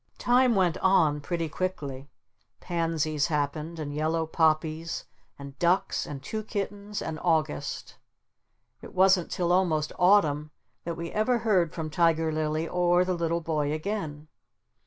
Time went on pretty quickly. Pansies happened and yellow poppies and ducks and two kittens and August. It wasn't till almost Autumn that we ever heard from Tiger Lily or the little boy again.